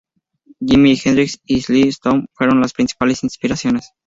Jimi Hendrix y Sly Stone fueron las principales inspiraciones.